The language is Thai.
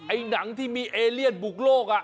หนังที่มีเอเลียนบุกโลก